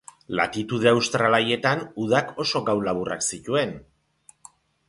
Latitude austral haietan udak oso gau laburrak zituen.